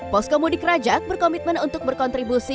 posko mudik rajak berkomitmen untuk berkontribusi